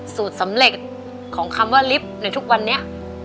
สูตรสำเร็จของคำว่าลิฟต์ในทุกวันนี้